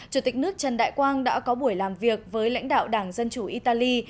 chủ tịch nước trần đại quang đã có buổi làm việc với lãnh đạo đảng dân chủ italy